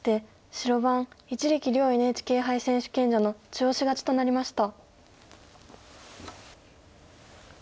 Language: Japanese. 白番一力遼ＮＨＫ杯選手権者の中押し勝ちとなりました。